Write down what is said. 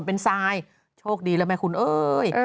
เป็นที่ไซด์โชคดีแล้วนะคุณเว้ย